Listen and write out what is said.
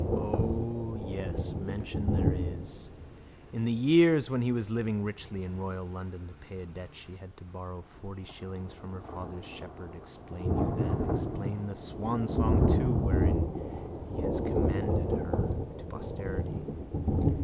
O, yes, mention there is. In the years when he was living richly in royal London to pay a debt she had to borrow forty shillings from her father's shepherd. Explain you then. Explain the swansong too wherein he has commended her to posterity.